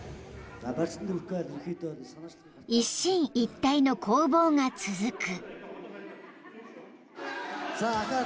［一進一退の攻防が続く］